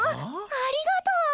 ありがとう！